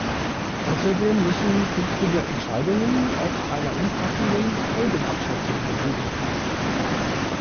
Außerdem müssen künftige Entscheidungen auf einer umfassenden Folgenabschätzung beruhen.